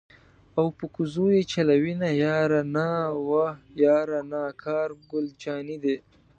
او په کوزو یې چلوینه یاره نا وه یاره نا کار ګل جانی دی.